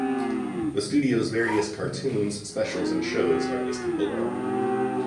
The studio's various cartoons, specials and shows are listed below.